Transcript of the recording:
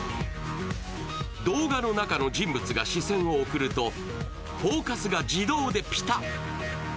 動画の中の人物が視線を送るとフォーカスが自動でピタッ。